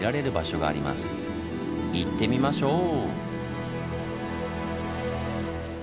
行ってみましょう！